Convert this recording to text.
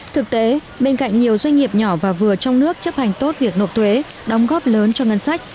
thực tế bên cạnh nhiều doanh nghiệp nhỏ và vừa trong nước chấp hành tốt việc nộp thuế đóng góp lớn cho ngân sách